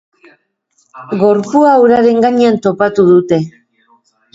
Gorpua uraren gainean topatu dute.